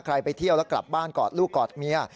ไปเที่ยวแล้วกลับบ้านกอดลูกกอดเมีย